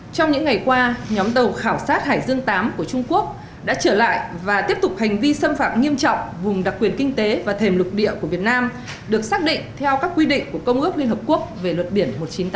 trong những ngày qua nhóm tàu khảo sát hải dương viii của trung quốc đã trở lại và tiếp tục hành vi xâm phạm nghiêm trọng vùng đặc quyền kinh tế và thềm lục địa của việt nam được xác định theo các quy định của công ước liên hợp quốc về luật biển một nghìn chín trăm tám mươi hai